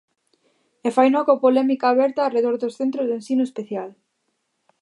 E faino coa polémica aberta arredor dos centros de ensino especial.